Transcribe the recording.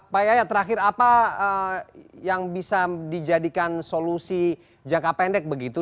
pak yayat terakhir apa yang bisa dijadikan solusi jangka pendek begitu